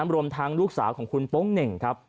รวมทั้งลูกสาวของคุณโป๊งเหน่งครับ